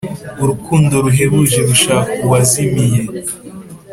Urukundo ruhebuje, rushak'uwazimiye